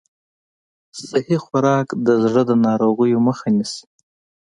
صحي خوراک د زړه د ناروغیو مخه نیسي.